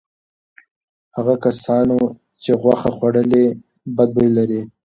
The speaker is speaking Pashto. هغو کسانو چې غوښه خوړلې بد بوی لري.